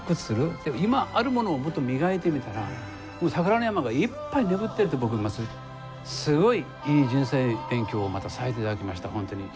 で今あるものをもっと磨いてみたらもう宝の山がいっぱい眠ってるって僕今すごいいい人生勉強をまたさせていただきました本当に。